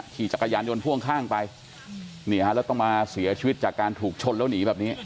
ขี่จักรยานยนต์พ่วงข้างไปนี่ฮะแล้วต้องมาเสียชีวิตจากการถูกชนแล้วหนีแบบนี้